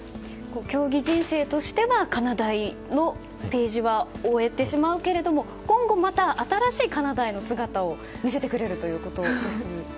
競技人生としてはかなだいのページは終えてしまうけれども今後また新しい、かなだいの姿を見せてくれるということですよね。